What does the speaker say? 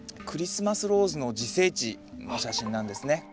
クリスマスローズの自生地の写真なんですね。